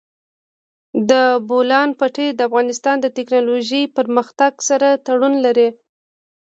د بولان پټي د افغانستان د تکنالوژۍ پرمختګ سره تړاو لري.